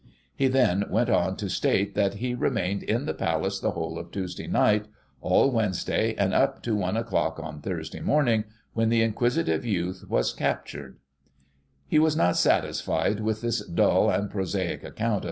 He then went on to state that he remained in the Palace the whole of Tuesday night, all Wednesday, and up to one o'clock on Thursday morning, when the inquisitive youth was cap tured He was not satisfied with this dull and prosaic account Digiti ized by Google ISO GOSSIP.